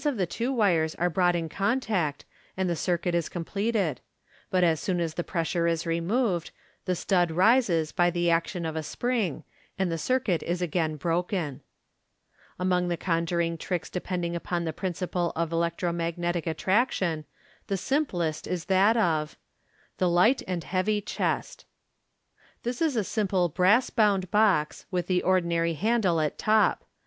♦8 2 MODERN MA GIC. of the two wires are brought in contact, and the circuit is completed j but as soon as the pressure is removed, the stud rises by the action of a spring, and the circuit is again broken. Among the conjuring tricks depending upon the principle of electro magnetic attraction, the simplest is that of The Light and Heavy Chest. — This is a small brass bound box, with the ordinary handle at top.